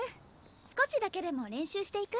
少しだけでも練習していく？